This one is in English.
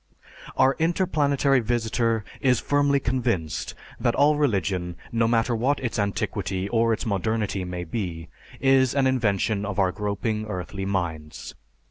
Our interplanetary visitor is firmly convinced that all religion, no matter what its antiquity or its modernity may be, is an invention of our groping earthly minds.